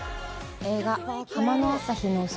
映画。